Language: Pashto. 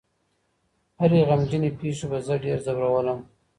هرې غمجنې پېښې به زه ډېر ځورولم.